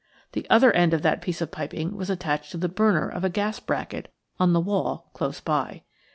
The other end of that piece of piping was attached to the burner of a gas bracket on the wall close by.